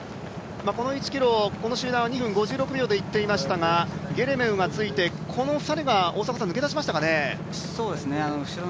この１ｋｍ、この集団は２分５６秒でいっていましたがゲレメウがついてこの２人が抜け出しましたかね。